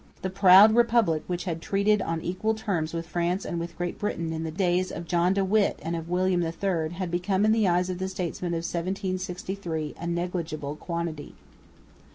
The proud Republic, which had treated on equal terms with France and with Great Britain in the days of John de Witt and of William III, had become in the eyes of the statesmen of 1763 a negligible quantity.